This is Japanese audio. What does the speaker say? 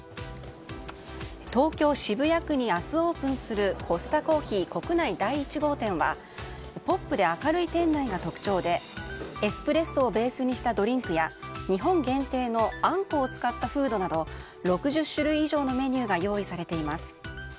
東京・渋谷区に明日オープンするコスタコーヒー国内第１号店はポップで明るい店内が特徴でエスプレッソをベースにしたドリンクや日本限定のあんこを使ったフードなど６０種類以上のメニューが用意されています。